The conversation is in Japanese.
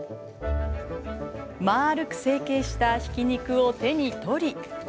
丸く成形したひき肉を手に取り。